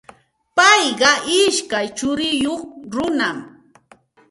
Payqa ishkay churiyuq runam.